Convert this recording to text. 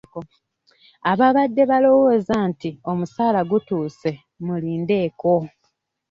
Ababadde balowooza nti omusaala gutuuse mulindeeko.